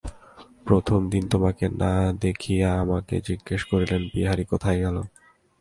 প্রথম দিন তোমাকে না দেখিয়া আমাকে জিজ্ঞাসা করিলেন, বিহারী কোথায় গেল।